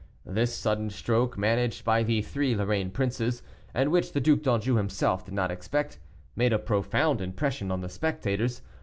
This sudden stroke, managed by the three Lorraine princes, and which the Duc d'Anjou himself did not expect, made a profound impression on the spectators.